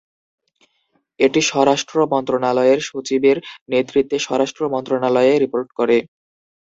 এটি স্বরাষ্ট্র মন্ত্রণালয়ের সচিবের নেতৃত্বে স্বরাষ্ট্র মন্ত্রণালয়ে রিপোর্ট করে।